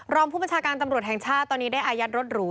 รองผู้บัญชาการตำรวจแห่งชาติตอนนี้ได้อายัดรถหรู